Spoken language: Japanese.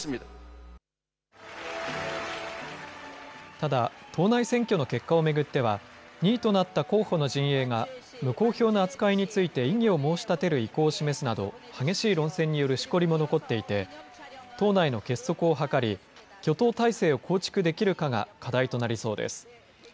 ただ、党内選挙の結果を巡っては、２位となった候補の陣営が無効票の扱いについて異議を申し立てる意向を示すなど、激しい論戦によるしこりも残っていて、党内の結束を図り、挙党態勢を構築できるかが課題となりそうです。